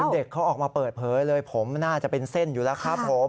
เด็กเขาออกมาเปิดเผยเลยผมน่าจะเป็นเส้นอยู่แล้วครับผม